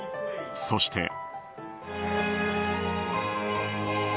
そして。